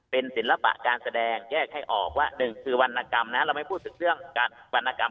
เป็นศิลปะการแสดงแยกให้ออกว่าหนึ่งคือวรรณกรรมนะเราไม่พูดถึงเรื่องวรรณกรรม